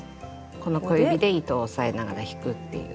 この小指で糸を押さえながら引くっていう。